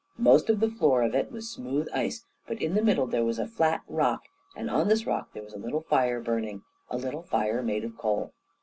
Most of the floor of it was of smooth ice, but in the middle there was a flat rock; and on this rock there was a little fire burning, a little fire made of coal.